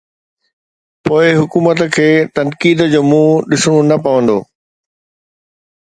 پوءِ حڪومت کي تنقيد جو منهن ڏسڻو نه پوندو.